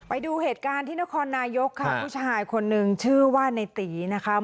ไปดูเหตุการณ์ที่นครนายกค่ะผู้ชายคนนึงชื่อว่าในตีนะคะ